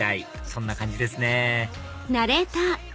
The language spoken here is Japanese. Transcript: そんな感じですね